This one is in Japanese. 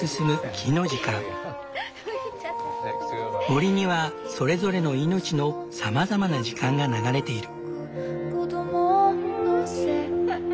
森にはそれぞれの命のさまざまな時間が流れている。